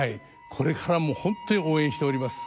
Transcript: これからも本当に応援しております。